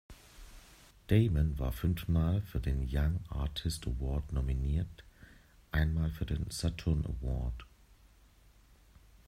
Damon war fünfmal für den Young Artist Award nominiert, einmal für den Saturn Award.